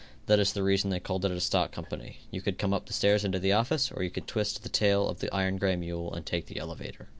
That is the reason they called it a stock company. You could come up the stairs into the office or you could twist the tail of the iron gray mule and take the elevator.